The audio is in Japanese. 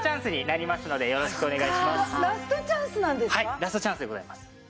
ラストチャンスでございます。